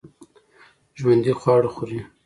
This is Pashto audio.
ژوندي خواړه خوري